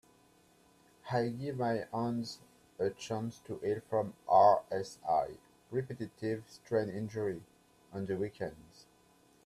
I give my hands a chance to heal from RSI (Repetitive Strain Injury) on the weekends.